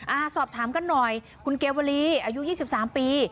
อ่าสอบถามกันหน่อยคุณเกวลีอายุยี่สิบสามปี